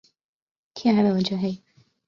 天还没全黑